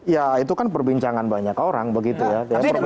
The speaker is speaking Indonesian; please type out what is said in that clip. ya itu kan perbincangan banyak orang begitu ya